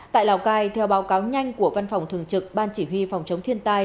tại lào cai theo báo cáo nhanh của văn phòng thường trực ban chỉ huy phòng chống thiên tai